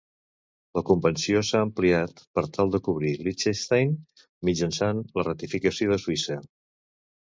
La convenció s'ha ampliat per tal de cobrir Liechtenstein mitjançant la ratificació de Suïssa.